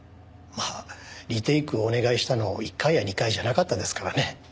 まあリテイクをお願いしたの１回や２回じゃなかったですからね。